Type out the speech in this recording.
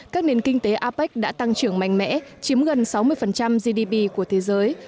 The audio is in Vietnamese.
các nền kinh tế apec đã tăng trưởng mạnh mẽ chiếm gần sáu mươi gdp của thế giới